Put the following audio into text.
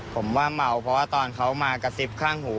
ผมว่าเมาเพราะว่าตอนเขามากระซิบข้างหู